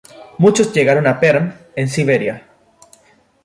Muchos llegaron a Perm en Siberia.